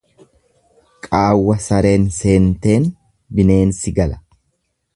Qaawwa sareen seenteen bineensi gala.